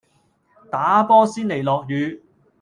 打波先嚟落雨